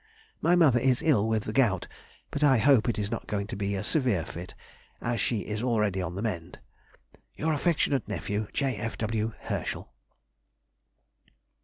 My mother is ill with the gout, but I hope it is not going to be a severe fit, as she is already on the mend. Your affectionate nephew, J. F. W. HERSCHEL.